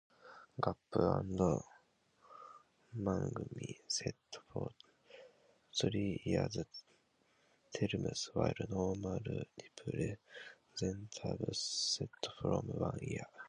"Gup" and "Mangmi" sat for three-year terms while normal representatives sat for one year.